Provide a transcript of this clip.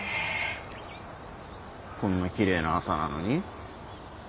こんなきれいな朝なのに？